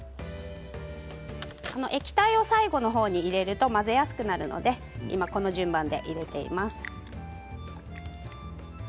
液体を最後の方に入れると混ぜやすくなるので今、この順番で入れています。